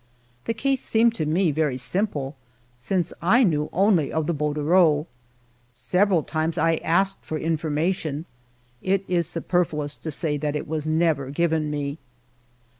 The case seemed to me very simple, since I knew only of the bordereau. Several times I asked for information ; it is super fluous to say that it was never given me.